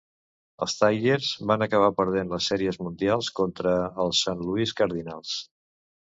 Els Tigers van acabar perdent les Sèries Mundials contra els Saint Louis Cardinals.